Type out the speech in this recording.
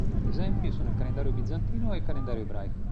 Esempi sono il calendario bizantino e il calendario ebraico.